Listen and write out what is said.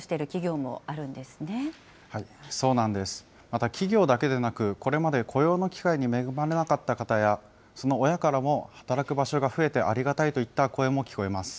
また、企業だけでなく、これまで雇用の機会に恵まれなかった方や、その親からも働く場所が増えてありがたいといった声も聞こえます。